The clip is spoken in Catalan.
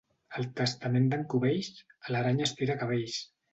El testament d'en Cubells, a l'aranya estiracabells.